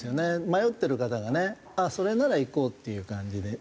迷ってる方がねそれなら行こうっていう感じで。